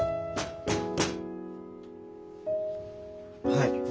はい。